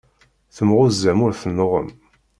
Temɣunzam ur tennuɣem.